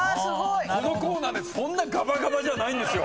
このコーナーねそんながばがばじゃないんですよ。